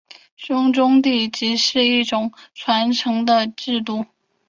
兄终弟及是一种继承的制度。